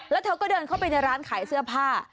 แล้วเธอก็เดินเข้าไปในร้านขายเสื้อผ้า